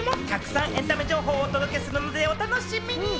来週もたくさんエンタメ情報をお届けするので、お楽しみに！